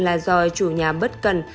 là do chủ nhà bất cần